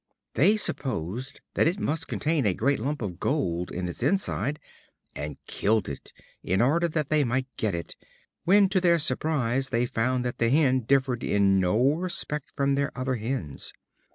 They supposed that it must contain a great lump of gold in its inside, and killed it in order that they might get it, when, to their surprise, they found that the Hen differed in no respect from their other hens.